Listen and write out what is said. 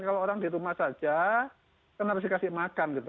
kalau orang di rumah saja kan harus dikasih makan gitu